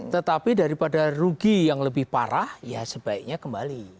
tetapi daripada rugi yang lebih parah ya sebaiknya kembali